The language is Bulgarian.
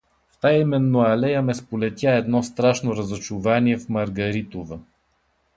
В тая именно алея ме сполетя едно страшно разочарование в Маргаритова.